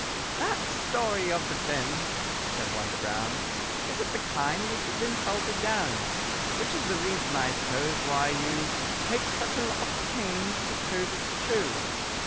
"That story of the Finn," said one to Brown, "Is of the kind which hev been salted down, Which is the reason, I suppose, why you Take such a lot of pains to prove it's true.